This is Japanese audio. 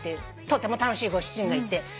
とても楽しいご主人がいて。